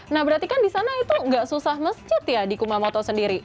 nah berarti kan di sana itu nggak susah masjid ya di kumamoto sendiri